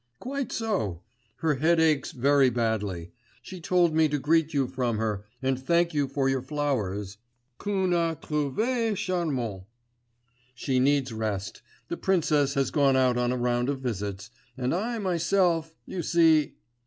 'Quite so; her head aches very badly. She told me to greet you from her, and thank you for your flowers, qu'on a trouvé charmant. She needs rest.... The princess has gone out on a round of visits ... and I myself ... you see....